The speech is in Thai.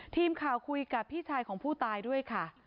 ทีมข่าวคุยกับพี่ชายของผู้ตายด้วยค่ะ